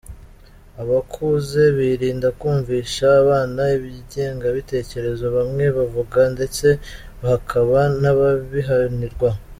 Abakuze birinda kumvisha abana iby’ingengabitekerezo bamwe bavuga ndetse hakaba n’ababihanirwa.